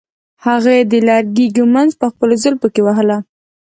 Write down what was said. هغې د لرګي ږمنځ په خپلو زلفو کې وهله.